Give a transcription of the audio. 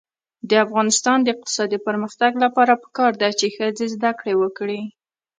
د افغانستان د اقتصادي پرمختګ لپاره پکار ده چې ښځې زده کړې وکړي.